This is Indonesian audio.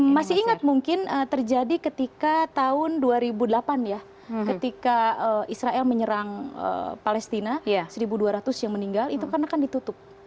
masih ingat mungkin terjadi ketika tahun dua ribu delapan ya ketika israel menyerang palestina satu dua ratus yang meninggal itu karena kan ditutup